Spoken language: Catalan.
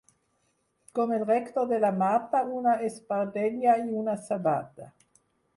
Com el rector de la Mata, una espardenya i una sabata.